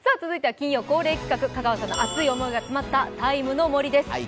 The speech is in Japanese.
続いては金曜恒例企画、香川さんの熱い思いが詰まった「ＴＩＭＥ，の森」です。